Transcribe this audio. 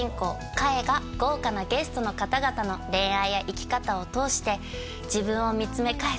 ・かえが豪華なゲストの方々の恋愛や生き方を通して自分を見つめ返す